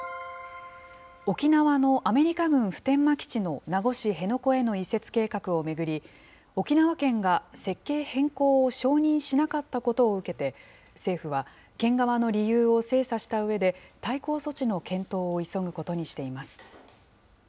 沖縄のアメリカ軍普天間基地の名護市辺野古への移設計画を巡り、沖縄県が設計変更を承認しなかったことを受けて、政府は、県側の理由を精査したうえで、対抗措置の検討を急ぐことにしています。